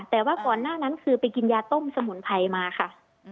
แต่ว่าก่อนหน้านั้นคือไปกินยาต้มสมุนไพรมาค่ะ